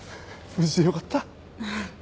無事でよかった。